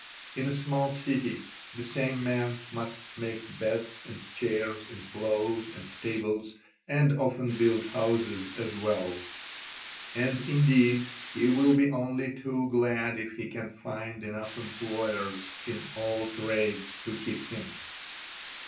In a small city the same man must make beds and chairs and ploughs and tables, and often build houses as well; and indeed he will be only too glad if he can find enough employers in all trades to keep him.